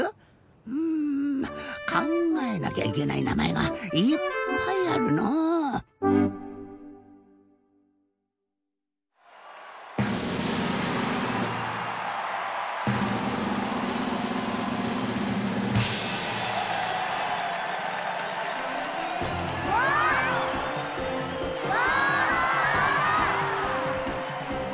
うん。かんがえなきゃいけないなまえがいっぱいあるの。わ！わ！